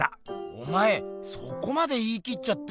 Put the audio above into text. おまえそこまで言いきっちゃって。